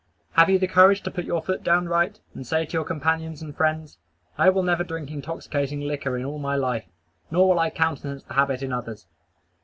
Have you the courage to put your foot down right, and say to your companions and friends: "I will never drink intoxicating liquor in all my life, nor will I countenance the habit in others."